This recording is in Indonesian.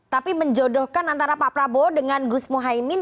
tapi menjodohkan antara pak prabowo dengan gus mohaimin